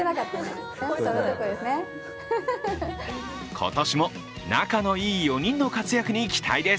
今年も仲の良い４人の活躍に期待です。